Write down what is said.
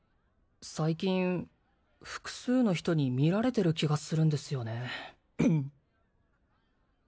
最近複数の人に見られてる気がするんですよねうん？